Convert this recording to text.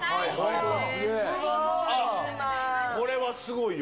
これはすごいよ。